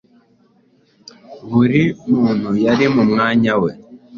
Buri muntu yari mu mwanya we,